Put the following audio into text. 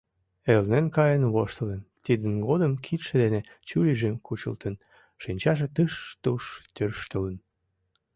Элнен каен воштылын, тидын годым кидше дене чурийжым кучылтын, шинчаже тыш-туш тӧрштылын.